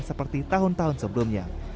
seperti tahun tahun sebelumnya